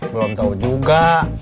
belum tahu juga